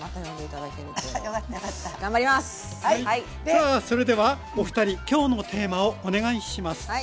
さあそれではお二人今日のテーマをお願いします。